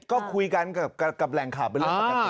ก็คุยกันกับแหล่งข่าวเป็นเรื่องปกติ